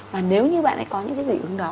và nếu như bạn ấy có những dị ứng đó